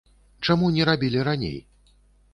Чаму не рабілі раней?